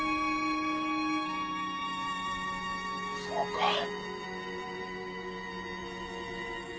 そうか。